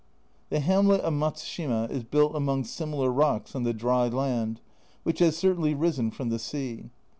The hamlet of Matsushima is built among similar rocks on the dry land, which has certainly risen from the sea.